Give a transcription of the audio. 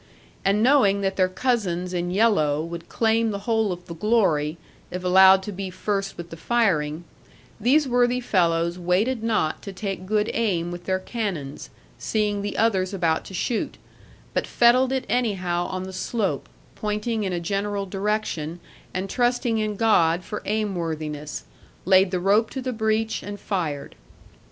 And knowing that their cousins in yellow would claim the whole of the glory, if allowed to be first with the firing, these worthy fellows waited not to take good aim with their cannons, seeing the others about to shoot; but fettled it anyhow on the slope, pointing in a general direction; and trusting in God for aimworthiness, laid the rope to the breech, and fired.